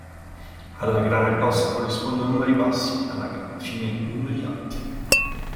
Alla grana grossa corrispondono numeri bassi, alla grana fine numeri alti.